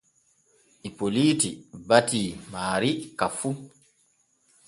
Ipoliiti batii maari ka fu.